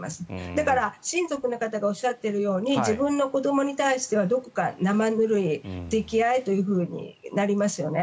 だから、親族の方がおっしゃっているように自分の子どもに対してはどこか生ぬるい溺愛というふうになりますよね。